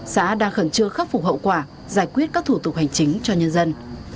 xã đang khẩn trương khắc phục hậu quả giải quyết các thủ tục hành chính cho nhân dân